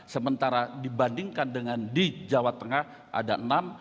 sementara dibandingkan dengan di jawa tengah ada enam